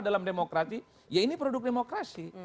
dalam demokrasi ya ini produk demokrasi